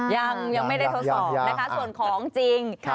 ยังไม่ได้ทดสอบนะคะส่วนของจริง